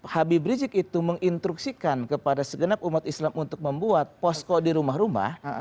habib rizik itu menginstruksikan kepada segenap umat islam untuk membuat posko di rumah rumah